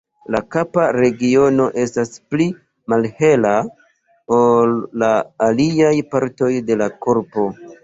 La kapa regiono estas pli malhela ol la aliaj partoj de la korpo.